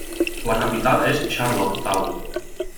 La capital és Charlottetown.